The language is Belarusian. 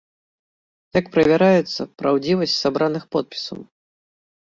Як правяраецца праўдзівасць сабраных подпісаў?